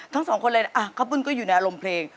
ทั้งสองคนเลยข้าวปุ้นก็อยู่ในอารมณ์เพลง